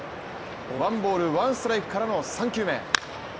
ワンボール・ワンストライクからの３球目。